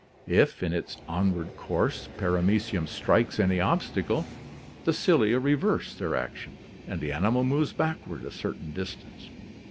If in its onward course Paramecium strikes any obstacle, the cilia reverse their ac tion and the animal moves backward a certain distance.